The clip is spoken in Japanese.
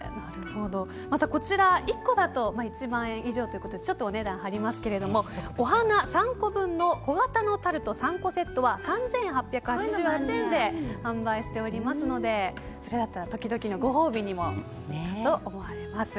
また、こちらは１個だと１万円以上ということでちょっとお値段が張りますがお花３個分の小型のタルト３個セットは３８８８円で販売しておりますのでそれだったら時々のご褒美にもいいかと思われます。